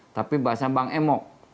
tapi bahasa bank m